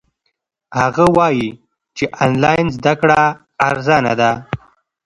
هغه وایي چې آنلاین زده کړه ارزانه ده.